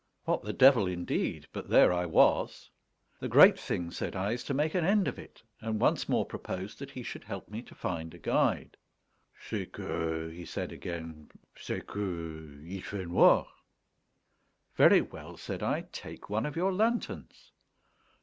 What the devil, indeed! But there I was. "The great thing," said I, "is to make an end of it," and once more proposed that he should help me to find a guide. "C'est que," he said again, "c'est que il fait noir." "Very well," said I; "take one of your lanterns."